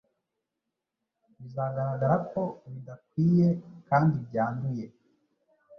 bizagaragara ko bidakwiye kandi byanduye.